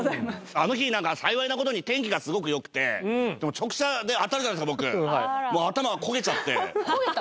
あの日何か幸いなことに天気がすごくよくてでも直射で当たるじゃないですか僕焦げた？